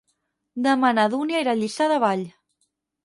Demà na Dúnia irà a Lliçà de Vall.